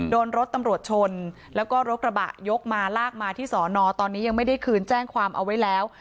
โดนรถตำรวจชนแล้วก็รถกระบะยกมาลากมาที่สอนอตอนนี้ยังไม่ได้คืนแจ้งความเอาไว้แล้ว